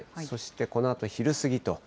そしてこのあと昼過ぎと。